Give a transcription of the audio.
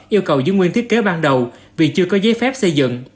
yêu cầu giữ nguyên thiết kế ban đầu vì chưa có giấy phép xây dựng